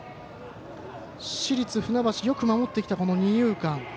市立船橋、よく守ってきた二遊間。